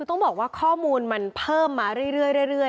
ต้องบอกว่าข้อมูลมันเพิ่มมาเรื่อย